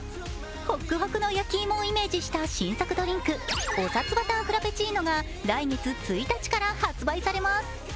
ホックホクの焼き芋をイメージした新作ドリンク、おさつバターフラペチーノが来月１日から発売されます。